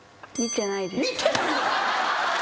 見てないの！？